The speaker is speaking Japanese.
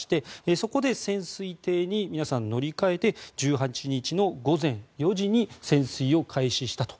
そこで潜水艇に皆さん乗り換えて１８日の午前４時に潜水を開始したと。